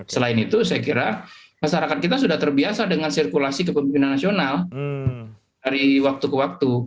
selain itu saya kira masyarakat kita sudah terbiasa dengan sirkulasi kepemimpinan nasional dari waktu ke waktu